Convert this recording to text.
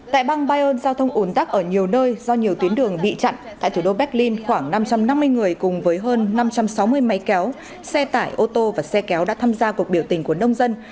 tại bang bayern giao thông ồn tắc ở nhiều nơi do nhiều tuyến đường bị chặn tại thủ đô berlin khoảng năm trăm năm mươi người cùng với hơn năm trăm sáu mươi máy kéo xe tải ô tô và xe kéo đã tham gia cuộc biểu tình của nông dân